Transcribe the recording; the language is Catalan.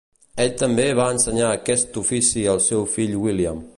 Ell també va ensenyar aquest ofici al seu fill William.